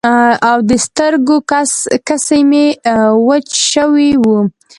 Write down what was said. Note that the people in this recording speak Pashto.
او د سترګو کسی مې وچ شوي وو.